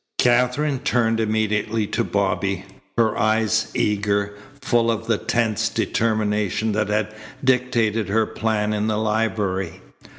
Katherine turned immediately to Bobby, her eyes eager, full of the tense determination that had dictated her plan in the library.